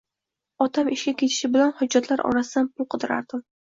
Otam ishga ketishi bilan, hujjatlar orasidan pul qidirardim.